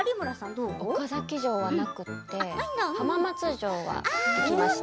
岡崎城はなくて浜松城は行きました。